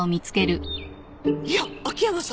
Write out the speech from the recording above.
いや秋山さん